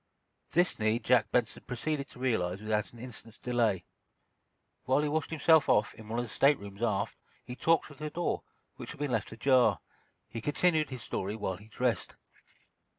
This need Jack Benson proceeded to realize without an instant's delay. While he washed himself off, in one of the staterooms aft, he talked through the door, which had been left ajar. He continued his story while he dressed.